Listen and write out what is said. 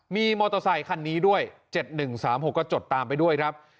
มีมอเตอร์ไซคันนี้ด้วยเจ็ดหนึ่งสามหกก็จดตามไปด้วยครับ